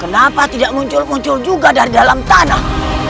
kenapa tidak muncul muncul juga dari dalam tanah